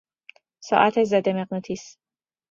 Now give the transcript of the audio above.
ساعت ضد مغناطیس